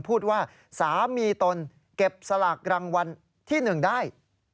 พูดว่าสามีตนเก็บสลากรางวัลที่๑ได้